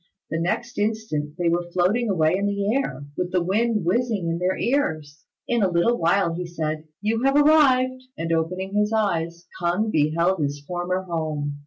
The next instant they were floating away in the air, with the wind whizzing in their ears. In a little while he said, "You have arrived," and opening his eyes, K'ung beheld his former home.